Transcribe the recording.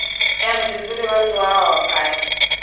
eeh ni vizuri watu hawa wakae